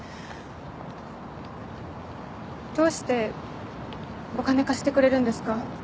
どうしてお金貸してくれるんですか？